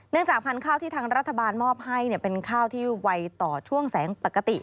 จากพันธุ์ข้าวที่ทางรัฐบาลมอบให้เป็นข้าวที่ไวต่อช่วงแสงปกติ